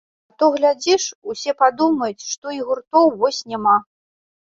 А то глядзіш, усе падумаюць, што і гуртоў вось няма!